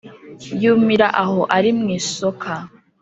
yumira aho ari mwisoka